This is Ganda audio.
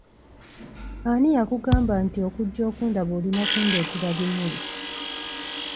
Ani yakugamba nti okujja okundaba olina kundetera bimuli?